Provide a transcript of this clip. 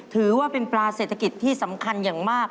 ถือว่าเป็นปลาเศรษฐกิจที่สำคัญอย่างมาก